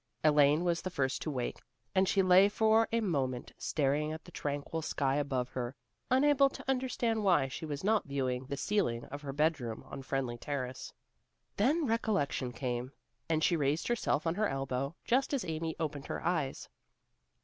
Elaine was the first to wake, and she lay for a moment staring at the tranquil sky above her, unable to understand why she was not viewing the ceiling of her bedroom on Friendly Terrace. Then recollection came, and she raised herself on her elbow just as Amy opened her eyes.